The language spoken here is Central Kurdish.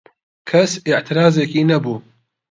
کەس ئێعترازێکی نەبوو